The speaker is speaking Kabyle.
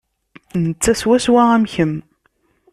Netta swaswa am kemm.